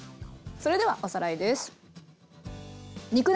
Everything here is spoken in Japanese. それではおさらいです。